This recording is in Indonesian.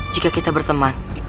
jika kita berteman